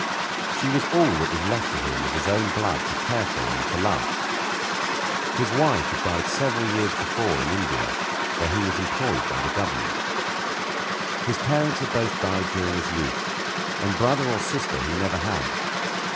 She was all that was left to him of his own blood to care for and to love. His wife had died several years before in India, where he was employed by the government. His parents had both died during his youth, and brother or sister he never had.